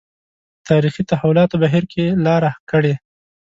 تاریخي تحولاتو بهیر کې لاره کړې.